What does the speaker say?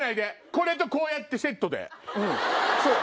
これとこうやってセットで。